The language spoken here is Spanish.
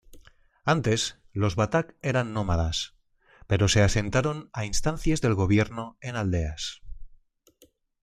Antes los batak eran nómadas, pero se asentaron a instancias del Gobierno en aldeas.